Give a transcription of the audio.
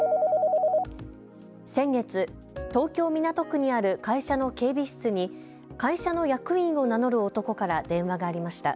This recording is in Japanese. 先月、東京・港区にある会社の警備室に会社の役員を名乗る男から電話がありました。